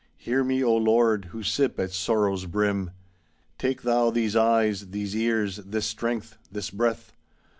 Hear me, O Lord, who sip at sorrow's brim. Take thou these eyes, these ears, this strength, this breath.